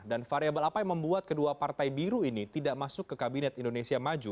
dan variable apa yang membuat kedua partai biru ini tidak masuk ke kabinet indonesia maju